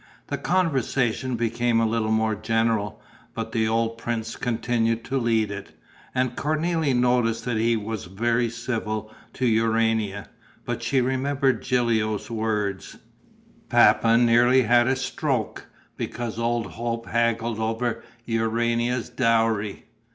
The conversation became a little more general, but the old prince continued to lead it. And Cornélie noticed that he was very civil to Urania. But she remembered Gilio's words: "Papa nearly had a stroke, because old Hope haggled over Urania's dowry.